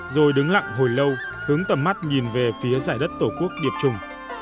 rồi đứng lặng hồi lâu hướng tầm mắt nhìn về phía giải đất tổ quốc điệp trùng